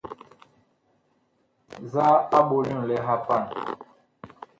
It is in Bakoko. Nzaa a ɓol nyu nlɛha a paan?